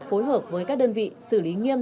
phối hợp với các đơn vị xử lý nghiêm